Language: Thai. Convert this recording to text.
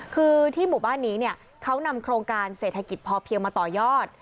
คือที่หมู่บ้านนี้เนี่ยเขานำโครงการเศรษฐกิจพอเพียงมาต่อยอด